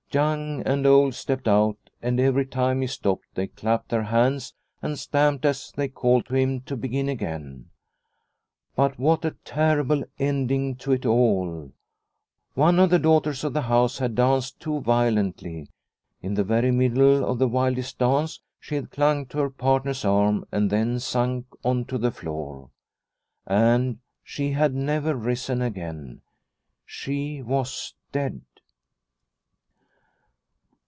Young and old stepped out, and every time he stopped they clapped their hands and stamped as they called to him to begin again. But what a terrible ending to it all ! One of the daughters of the house had danced too violently. In the very middle of the wildest dance she had clung to her partner's arm and then sunk on to the floor. And she had never risen again. She was dead.